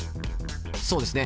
そうですね。